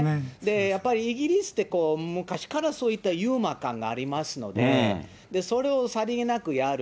やっぱりイギリスって、昔からそういったユーモア感がありますので、それをさりげなくやる。